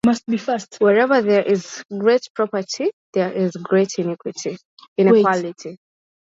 Wherever there is great property there is great inequality.